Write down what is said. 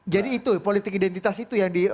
jadi itu politik identitas itu yang di